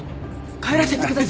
帰らせてください。